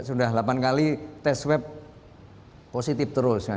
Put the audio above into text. sudah delapan kali tes web positif